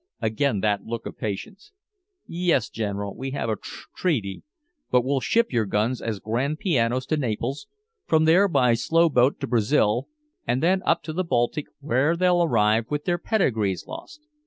Again that look of patience: "Yes, General, we have a tr reaty. But we'll ship your guns as grand pianos to Naples, from there by slow boat down to Brazil and then up to the Baltic, where they'll arrive with their pedigrees lost.